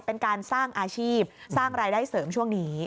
เป็นการสร้างอาชีพสร้างรายได้เสริมช่วงนี้